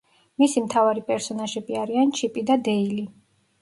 მისი მთავარი პერსონაჟები არიან ჩიპი და დეილი.